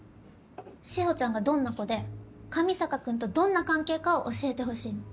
志保ちゃんがどんな子で上坂君とどんな関係かを教えてほしいの。